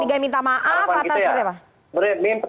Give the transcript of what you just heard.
tiga minta maaf atau seperti apa